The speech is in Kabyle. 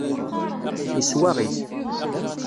Yeswaɣ-it.